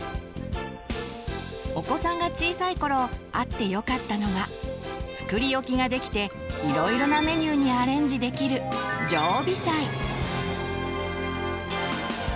お子さんが小さい頃あってよかったのが作り置きができていろいろなメニューにアレンジできる「常備菜」。